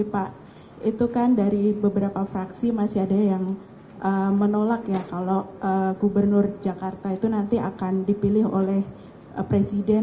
pak itu kan dari beberapa fraksi masih ada yang menolak ya kalau gubernur jakarta itu nanti akan dipilih oleh presiden